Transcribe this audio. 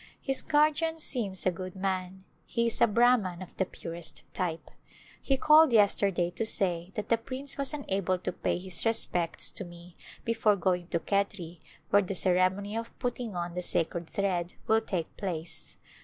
His guardian seems a good man ; he is a Brahman of the purest type. He called yesterday to say that the prince was unable to pay his respects to me before going to Khetri where the ceremony of putting on the sacred thread will take place.